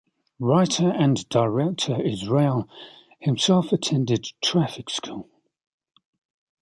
Writer and director Israel himself attended traffic school.